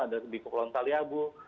ada di kepulauan kaliabu